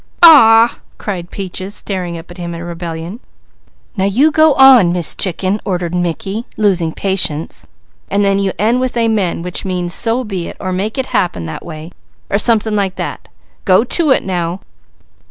'" "Aw!" cried Peaches, staring up at him in rebellion. "Now you go on, Miss Chicken," ordered Mickey, losing patience, "and then you end with 'Amen,' which means, 'So be it,' or 'Make it happen that way,' or something like that. Go to it now!"